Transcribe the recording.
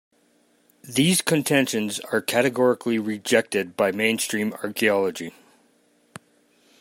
These contentions are categorically rejected by mainstream archeology.